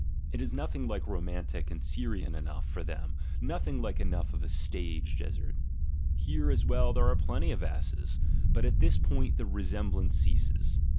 It is nothing like romantic and Syrian enough for them, nothing like enough of a stage desert! Here as well there are plenty of asses, but at this point the resemblance ceases.